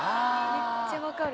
めっちゃ分かる。